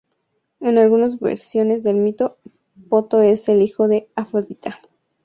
En algunas versiones del mito, Poto es el hijo de Afrodita.